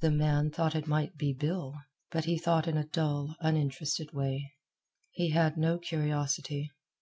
The man thought it might be Bill, but he thought in a dull, uninterested way. He had no curiosity.